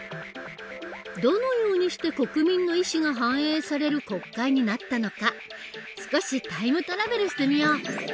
どのようにして国民の意思が反映される国会になったのか少しタイムトラベルしてみよう！